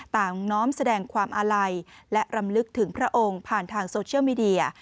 น้อมแสดงความอาลัยและรำลึกถึงพระองค์ผ่านทางโซเชียลมีเดีย